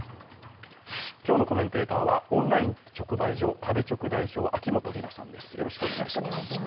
今日のコメンテーターはオンライン直売所、食べチョク代表・秋元里奈さんです。